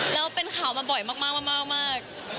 แล้วเป็นข่าวมาบ่อยมาก